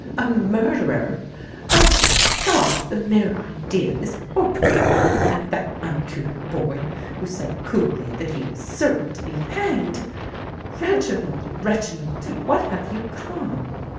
A murderer! Ah—my God, the mere idea is horrible! And that uncouth boy who said coolly that he was certain to be hanged! Reginald—Reginald, to what have you come?